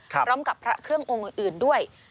พร้อมกับพระเครื่ององค์อื่นด้วย